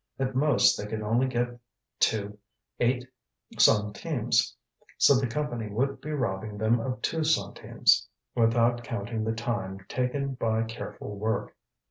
At most they could only get to eight centimes, so the Company would be robbing them of two centimes, without counting the time taken by careful work.